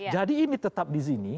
jadi ini tetap di sini